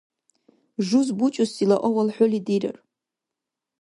Жуз бучӀусила авал хӀули дирар.